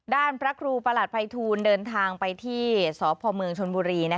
ด้านพระครูผลัดภัยธูนเดินทางไปที่สพชนบุรี